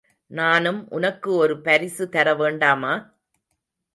நானும் உனக்கு ஒரு பரிசு தரவேண்டாமா?